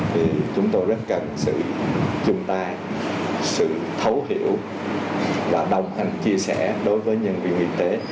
thì chúng tôi rất cần sự chung tay sự thấu hiểu và đồng hành chia sẻ đối với nhân viên y tế